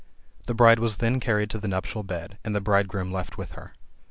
The bride was then carried to the nuptial bed, and the bridegroom left with her.